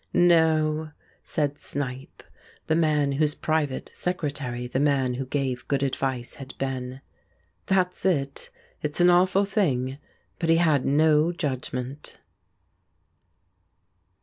"No," said Snipe, the man whose private secretary the man who gave good advice had been, "That's it. It's an awful thing but he had no judgment."